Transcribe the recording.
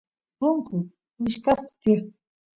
punku wichqasqa tiyan